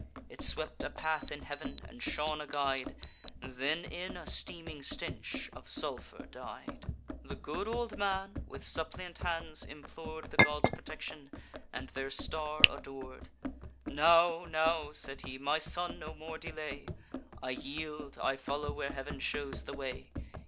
It swept a path in heav'n, and shone a guide, Then in a steaming stench of sulphur died. "The good old man with suppliant hands implor'd The gods' protection, and their star ador'd. 'Now, now,' said he, 'my son, no more delay! I yield, I follow where Heav'n shews the way.